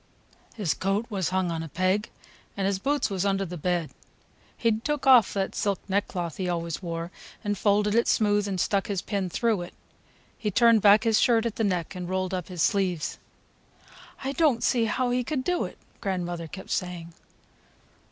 His coat was hung on a peg, and his boots was under the bed. He'd took off that silk neckcloth he always wore, and folded it smooth and stuck his pin through it. He turned back his shirt at the neck and rolled up his sleeves." "I don't see how he could do it!" grandmother kept saying.